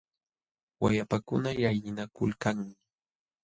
Wayapakuna llallinakulkanmi.